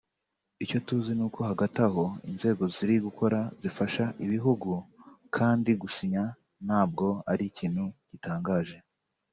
Icyo tuzi ni uko hagati aho inzego ziri gukora zifasha ibihugu kandi gusinya ntabwo ari ikintu gitangaje